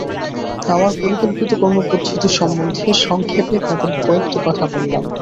আমার পরিকল্পিত কর্মপদ্ধতি সম্বন্ধে সংক্ষেপে তাদের কয়েকটি কথা বললাম।